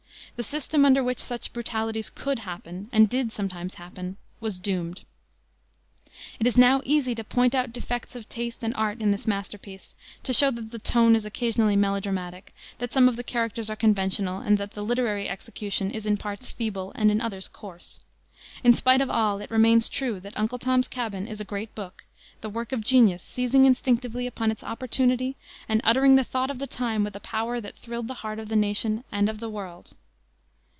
The system under which such brutalities could happen, and did sometimes happen, was doomed. It is easy now to point out defects of taste and art in this masterpiece, to show that the tone is occasionally melodramatic, that some of the characters are conventional, and that the literary execution is in parts feeble and in others coarse. In spite of all it remains true that Uncle Tom's Cabin is a great book, the work of genius seizing instinctively upon its opportunity and uttering the thought of the time with a power that thrilled the heart of the nation and of the world.